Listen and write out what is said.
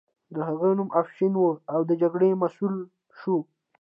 د هغه نوم افشین و او د جګړې مسؤل شو.